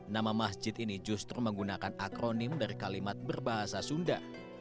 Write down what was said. nama masjid ini justru menggunakan akronim dari kalimat berbahasa sunda